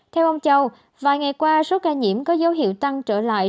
theo ông châu vài ngày qua số ca nhiễm có dấu hiệu tăng trở lại